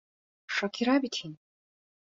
Шакира бит һин.